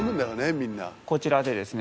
みんなこちらでですね